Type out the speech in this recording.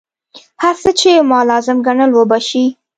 هر څه چې ما لازم ګڼل وبه شي.